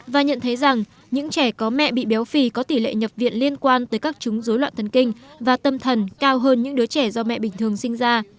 và nhận thấy rằng những trẻ có mẹ bị béo phì có tỷ lệ nhập viện liên quan tới các trúng dối loạn thần kinh và tâm thần cao hơn những đứa trẻ do mẹ bình thường sinh ra